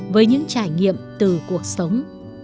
với những trải nghiệm từ cuộc sống